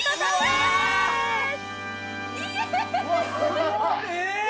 すごい。